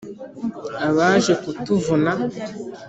abaje kutuvuna